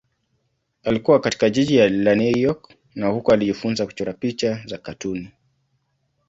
Alikua katika jiji la New York na huko alijifunza kuchora picha za katuni.